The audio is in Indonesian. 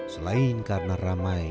selain karena ramai